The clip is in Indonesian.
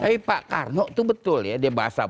eh pak karno itu betul ya dia bahasa